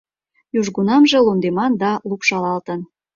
Южгунамже лондеман да лупшалтышан.